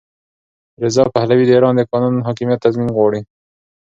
رضا پهلوي د ایران د قانون حاکمیت تضمین غواړي.